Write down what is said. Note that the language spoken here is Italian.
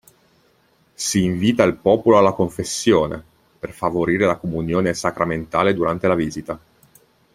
Si invita il popolo alla confessione, per favorire la comunione sacramentale durante la visita.